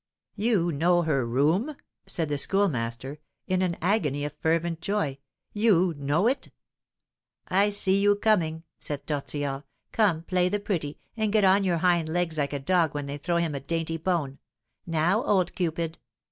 "You know her room?" said the Schoolmaster, in an agony of fervent joy; "you know it?" "I see you coming," said Tortillard; "come, play the pretty, and get on your hind legs like a dog when they throw him a dainty bone. Now, old Cupid!"